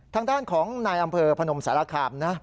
ทางด้านของนายอำเภอพนมสารคามนะ